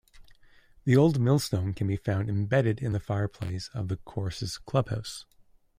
The old millstone can be found embedded in the fireplace of the course's clubhouse.